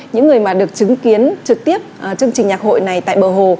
những người mà được chứng kiến trực tiếp chương trình nhạc hội này tại bờ hồ